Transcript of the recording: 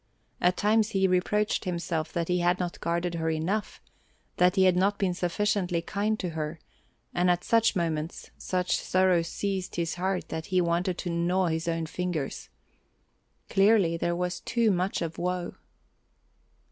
At times he reproached himself that he had not guarded her enough, that he had not been sufficiently kind to her, and at such moments such sorrow seized his heart that he wanted to gnaw his own fingers. Clearly there was too much of woe.